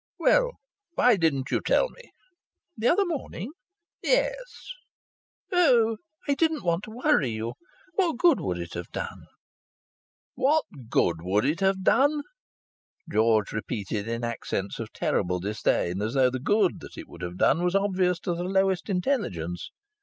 "Well, why didn't you tell me?" "The other morning?" "Yes." "Oh, I didn't want to worry you. What good would it have done?" "What good would it have done!" George repeated in accents of terrible disdain, as though the good that it would have done was obvious to the lowest intelligence.